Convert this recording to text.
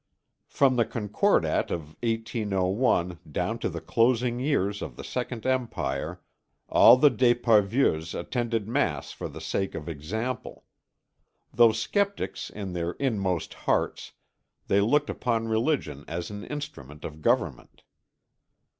From the Concordat of 1801 down to the closing years of the Second Empire all the d'Esparvieus attended mass for the sake of example. Though sceptics in their inmost hearts, they looked upon religion as an instrument of government.